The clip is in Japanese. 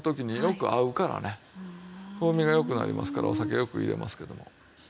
風味が良くなりますからお酒よく入れますけれども。